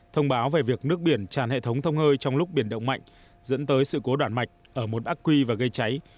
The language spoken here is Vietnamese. thông báo về việc nước biển tràn hệ thống thông hơi trong lúc biển động mạnh dẫn tới sự cố đoạn mạch ở một ác quy và gây cháy